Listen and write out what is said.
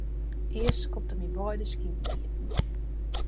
Earst skopt er myn beide skinen iepen.